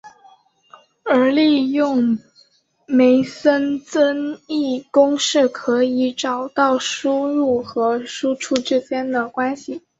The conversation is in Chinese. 而利用梅森增益公式可以找到输入和输出之间的关系。